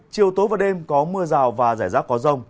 chiều tối và đêm có mưa rào và rải rác có rông